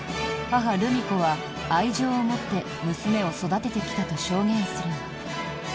母・ルミ子は愛情を持って娘を育ててきたと証言するが。